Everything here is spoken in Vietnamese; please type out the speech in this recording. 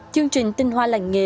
chương trình tinh hoa làng nghề